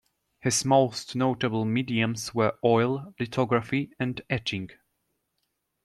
His most notable mediums were oil, lithography and etching.